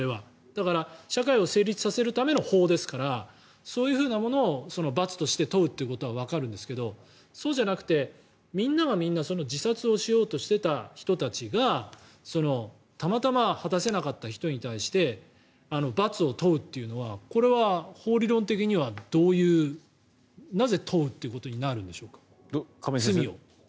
だから、社会を成立させるための法ですからそういうふうなものを罰として問うということはわかるんですけどそうじゃなくて、みんながみんな自殺をしようとしていた人たちがたまたま果たせなかった人に対して罰を問うというのはこれは法理論的にはなぜ、罪を問うということになるんでしょうか。